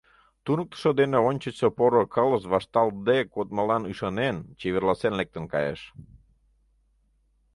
Туныктышо дене ончычсо поро кылышт вашталтде кодмылан ӱшанен, чеверласен лектын кайыш.